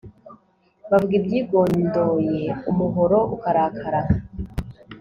bavuga ibyigondoye umuhoro ukarakara